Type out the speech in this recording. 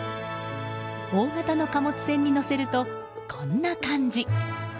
大型の貨物船に乗せるとこんな感じ。